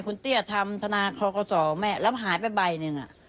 คุณเตี้ยทำธนาคอโคตรของแม่แล้วหายไปใบหนึ่งอ่ะ